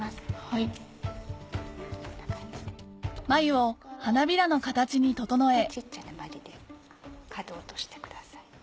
繭を花びらの形に整え角を落としてください。